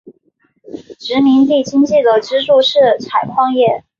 殖民地经济的支柱是采矿业。